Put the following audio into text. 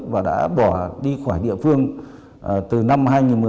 và đã bỏ đi khỏi địa phương từ năm hai nghìn một mươi